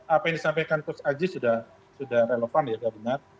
apa yang disampaikan tush aji sudah relevan ya gabenat